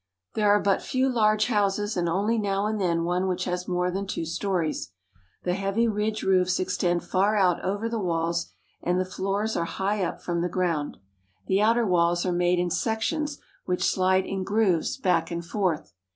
There are but few large houses and only now and then one which has more than two stories. The heavy ridge roofs extend far out over the walls, and the floors are high up from the ground. The outer walls are made in sections which slide in grooves back and forth.